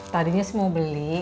tadinya semua beli